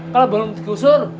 kalo belum digusur